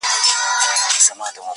چي عطار دوکان ته راغی ډېر خپه سو،